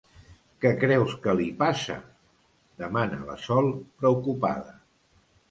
Què creus que li passa? —demana la Sol, preocupada.